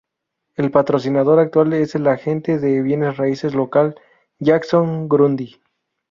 El patrocinador actual es el agente de bienes raíces local Jackson Grundy.